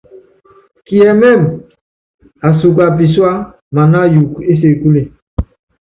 Kiɛmɛ́mɛ, aásuka pisúa mana ayuukɔ é sekule.